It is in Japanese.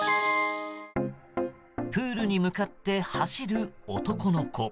プールに向かって走る男の子。